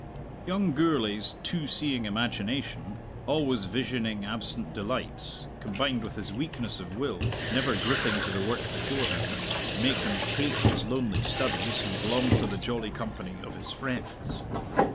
Young Gourlay's too seeing imagination, always visioning absent delights, combined with his weakness of will, never gripping to the work before him, to make him hate his lonely studies and long for the jolly company of his friends.